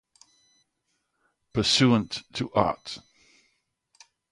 Pursuant to art.